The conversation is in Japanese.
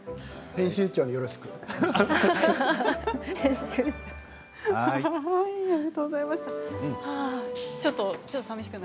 編集長によろしく。